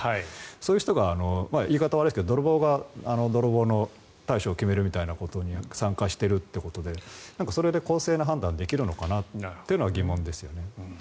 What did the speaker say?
そういう人が言い方が悪いですが泥棒が泥棒の対処を決めるみたいなことに参加しているということでそれで公正な判断ができるのか疑問ですね。